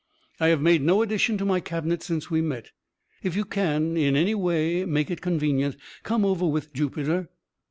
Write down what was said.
"I have made no addition to my cabinet since we met. "If you can, in any way, make it convenient, come over with Jupiter.